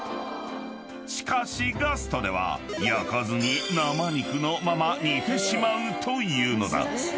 ［しかしガストでは焼かずに生肉のまま煮てしまうというのだ］